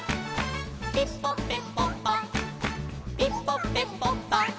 「ピポペポパピポペポパ」